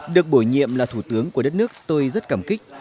được bổ nhiệm là thủ tướng của đất nước tôi rất cảm kích